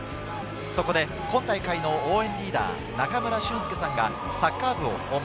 そこで今大会の応援リーダー・中村俊輔さんがサッカー部を訪問。